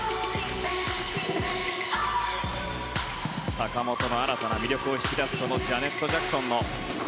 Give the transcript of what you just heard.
坂本の新たな魅力を引き出すジャネット・ジャクソンの声。